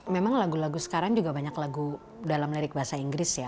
memang lagu lagu sekarang juga banyak lagu dalam lirik bahasa inggris ya